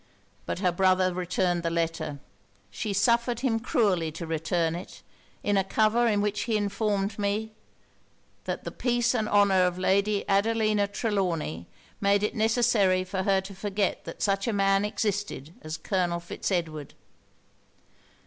But her brother returned the letter. She suffered him cruelly to return it, in a cover in which he informed me, "that the peace and honour of Lady Adelina Trelawny made it necessary for her to forget that such a man existed as Colonel Fitz Edward."